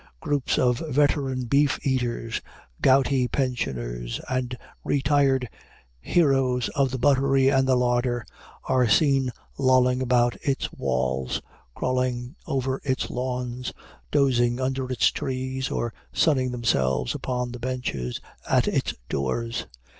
Groups of veteran beefeaters, gouty pensioners, and retired heroes of the buttery and the larder, are seen lolling about its walls, crawling over its lawns, dozing under its trees, or sunning themselves upon the benches at its doors.